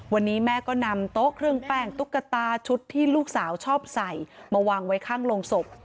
วันนี้แม่ก็นำโต๊ะเครื่องแป้งตุ๊กตาชุดที่ลูกสาวชอบใส่มาวางไว้ข้างโรงศพ